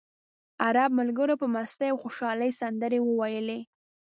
عرب ملګرو په مستۍ او خوشالۍ سندرې وویلې.